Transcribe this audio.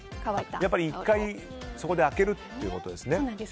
やっぱり１回開けるということですね。